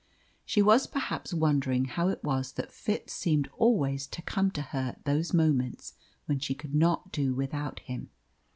She was perhaps wondering how it was that Fitz seemed always to come to her at those moments when she could not do without him.